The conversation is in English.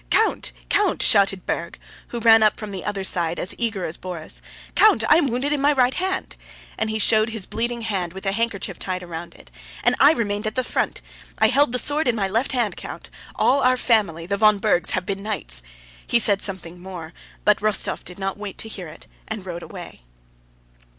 "Count! Count!" shouted Berg who ran up from the other side as eager as Borís. "Count! I am wounded in my right hand" (and he showed his bleeding hand with a handkerchief tied round it) "and I remained at the front. I held my sword in my left hand, Count. All our family—the von Bergs—have been knights!" He said something more, but Rostóv did not wait to hear it and rode away.